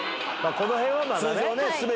この辺はまだね。